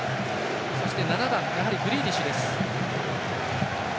そして７番、やはりグリーリッシュです。